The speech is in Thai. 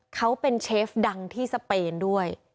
เขาเป็นเชฟดังที่สเปนด้วย